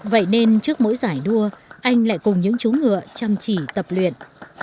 vậy nên trước mỗi giải đua anh lại cùng những chú ngựa chăm chỉ tập luyện